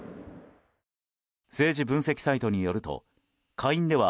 政治分析サイトによると下院では